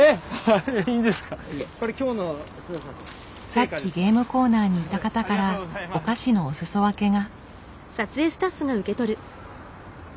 さっきゲームコーナーにいた方からお菓子のおすそ分けが。